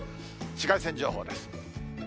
紫外線情報です。